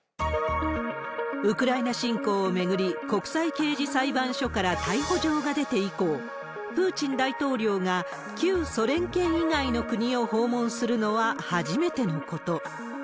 ウクライナ侵攻を巡り、国際刑事裁判所から逮捕状が出て以降、プーチン大統領が旧ソ連圏以外の国を訪問するのは初めてのこと。